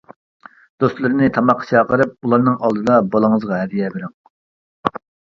دوستلىرىنى تاماققا چاقىرىپ ئۇلارنىڭ ئالدىدا بالىڭىزغا ھەدىيە بېرىڭ.